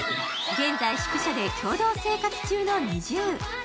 現在、宿舎で共同生活中のＮｉｚｉＵ。